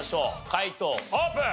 解答オープン！